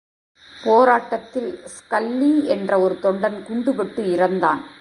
போராட்டத்தில் ஸ்கல்லி என்ற ஒரு தொண்டன் குண்டுபட்டு இறந்தான்.